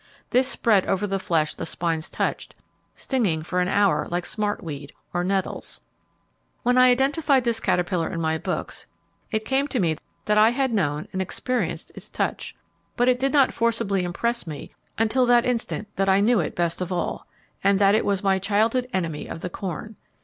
This spread over the flesh the spines touched, stinging for an hour like smartweed, or nettles. When I identified this caterpillar in my books, it came to me that I had known and experienced its touch. But it did not forcibly impress me until that instant that I knew it best of all, and that it was my childhood enemy of the corn.